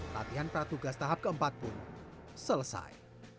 latihan pratugas tahap ke empat pun selesai